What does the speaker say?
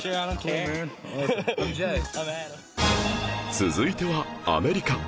続いてはアメリカ